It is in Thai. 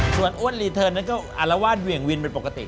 ส่วนอ้วนรีเทิร์นนั้นก็อารวาสเหวี่ยงวินเป็นปกติ